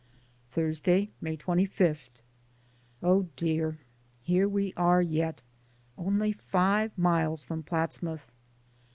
Thursday, May 25. Oh, dear ; here we are yet, only five miles from Platsmouth.